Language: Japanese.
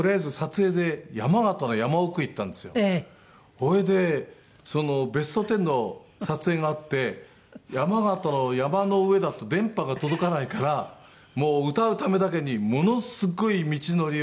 それで『ベストテン』の撮影があって山形の山の上だと電波が届かないからもう歌うためだけにものすごい道のりを下りてって。